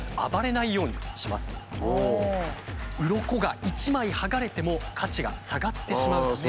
うろこが一枚剥がれても価値が下がってしまうため。